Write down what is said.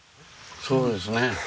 そうですね。